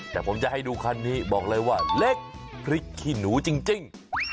แต่ผมจะให้ดูคันนี้บอกเลยว่าเล็กพริกขี้หนูจริง